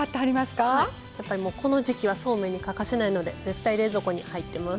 この時期はそうめんに欠かせないので絶対冷蔵庫に入ってます。